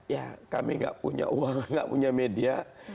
ya kami gak punya uang gak punya media